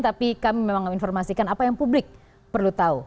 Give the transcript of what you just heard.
tapi kami memang informasikan apa yang publik perlu tahu